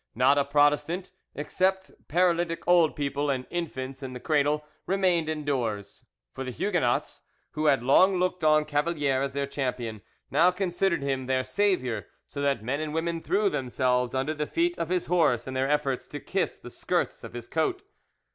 Not a Protestant, except paralytic old people and infants in the cradle, remained indoors; for the Huguenots, who had long looked on Cavalier as their champion, now considered him their saviour, so that men and women threw themselves under the feet of his horse in their efforts to kiss the skirts of his coat.